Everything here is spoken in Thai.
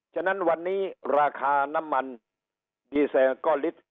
ฉะนั้นวันนี้ราคาน้ำมันดีเซนก็ลดลงมาลิตรละ๒บาท